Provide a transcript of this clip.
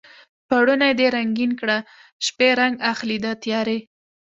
پوړونی دې رنګین کړه شپې رنګ اخلي د تیارې